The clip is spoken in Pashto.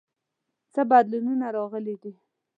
څه بدلونونه راغلي دي؟